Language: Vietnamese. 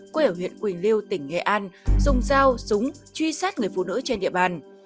quê ở huyện quỳnh lưu tỉnh nghệ an dùng dao súng truy sát người phụ nữ trên địa bàn